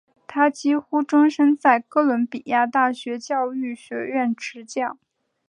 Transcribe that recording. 他几乎终生在哥伦比亚大学教育学院执教。